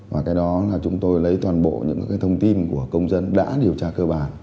và cái đó là chúng tôi lấy toàn bộ những cái thông tin của công dân đã điều tra cơ bản